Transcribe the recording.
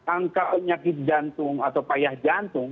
angka penyakit jantung atau payah jantung